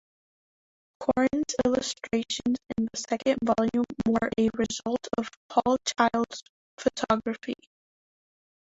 Coryn's illustrations in the second volume were a result of Paul Child's photography.